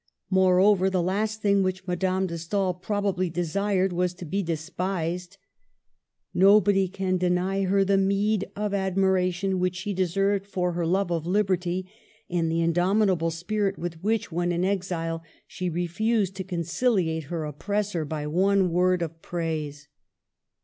Moreover, the last thing which Madame de Stael probably desired was to be despised. Nobody can deny her the meed of admiration which she deserved for her love of liberty, and the indomitable spirit with which, when in exile, she refused to conciliate her oppressor by one word of praise.